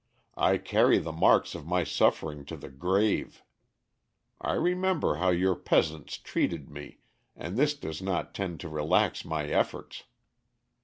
"I carry the marks of my suffering to the grave. I remember how your peasants treated me and this does not tend to relax my efforts."